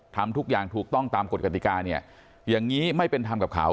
ทำทุกอย่างถูกต้องตามกฎกติกาเนี่ยอย่างนี้ไม่เป็นธรรมกับเขา